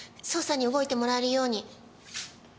捜査に動いてもらえるように。